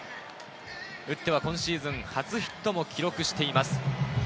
打っては今シーズン初ヒットも記録しています。